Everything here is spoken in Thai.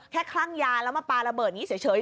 แค่คลั่งยาร้ำมะปลาระเบิดนี้เฉย